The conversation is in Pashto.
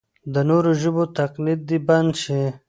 د نورو ژبو تقلید دې بند شي.